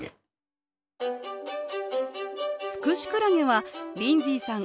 ツクシクラゲはリンズィーさん